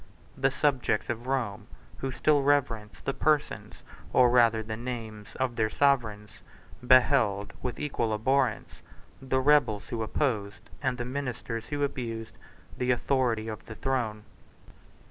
The subjects of Rome, who still reverenced the persons, or rather the names, of their sovereigns, beheld, with equal abhorrence, the rebels who opposed, and the ministers who abused, the authority of the throne.